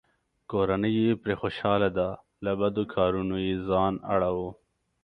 کورنۍ یې پرې خوشحاله ده؛ له بدو کارونو یې ځان اړووه.